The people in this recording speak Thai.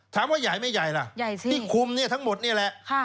ถามว่าใหญ่ไม่ใหญ่ล่ะใหญ่สิที่คุมเนี่ยทั้งหมดนี่แหละ